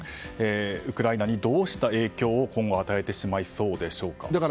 ウクライナにどうした影響を今後与えてしまいそうでしょうか。